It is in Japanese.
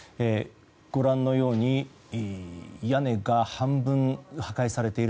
ご覧のように屋根が半分、破壊されている。